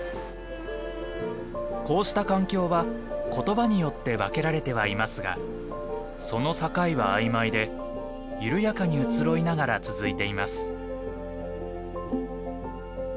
こうした環境は言葉によって分けられてはいますがその境は曖昧で緩やかに移ろいながら続いています。